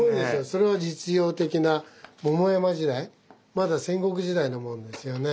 それは実用的な桃山時代まだ戦国時代のものですよね。